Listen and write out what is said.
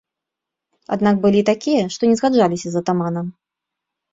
Аднак былі і такія, што не згаджаліся з атаманам.